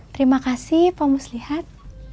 terima kasih pak mus lihat